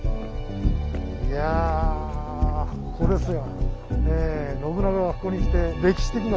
いやここですよ。